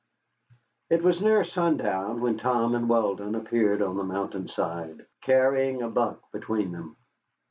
It was near sundown when Tom and Weldon appeared on the mountain side carrying a buck between them.